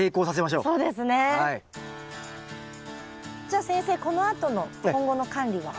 じゃあ先生このあとの今後の管理は？